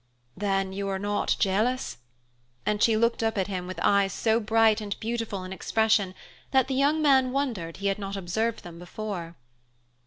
"Then you are not jealous?" And she looked up at him with eyes so bright and beautiful in expression that the young man wondered he had not observed them before.